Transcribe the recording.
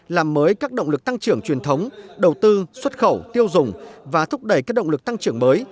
làm mới các động lực tăng trưởng truyền thống đầu tư xuất khẩu tiêu dùng và thúc đẩy các động lực tăng trưởng mới